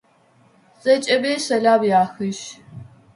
Зэкӏэмэ сэлам яхыжь.